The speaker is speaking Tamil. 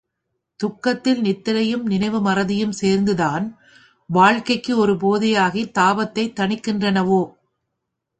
துக்கத்தில் நித்திரையும் நினைவு மறதியும் சேர்ந்துதான் வாழ்க்கைக்கு ஒரு போதையாகித் தாபத்தைத் தணிக்கின்றனவோ?